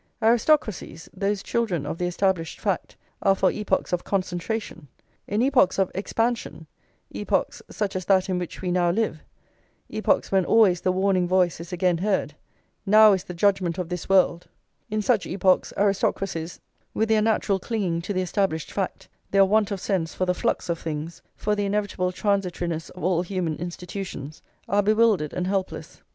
Aristocracies, those children of the established fact, are for epochs of concentration. In epochs of expansion, epochs such as that in which we now live, epochs when always the warning voice is again heard: Now is the judgment of this world in such epochs aristocracies, with their natural clinging to the established fact, their want of sense for the flux of things, for the inevitable transitoriness of all human institutions, are bewildered and helpless.